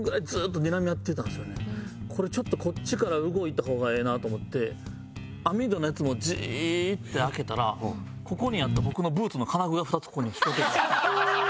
これちょっとこっちから動いた方がええなと思って網戸のやつもジーッて開けたらここにあったずっとブーツと。